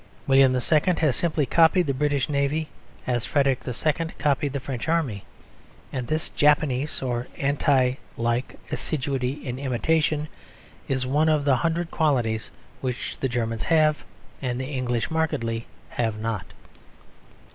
William II has simply copied the British Navy as Frederick II copied the French Army: and this Japanese or anti like assiduity in imitation is one of the hundred qualities which the Germans have and the English markedly have not.